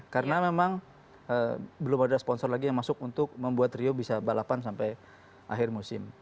karena memang belum ada sponsor lagi yang masuk untuk membuat rio bisa balapan sampai akhir musim